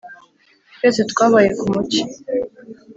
twese twabaye kumucyo